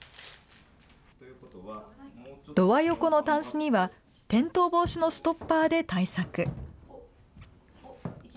ドア横のたんすには、転倒防止のストッパーで対策。